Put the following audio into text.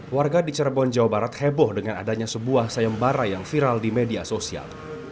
warga di cirebon jawa barat heboh dengan adanya sebuah sayembara yang viral di media sosial